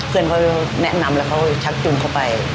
เพื่อนเขาแนะนำแล้วเขาชักจูงเข้าไป